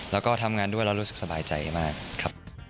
แล้วก็ทำงานด้วยแล้วรู้สึกสบายใจมากครับ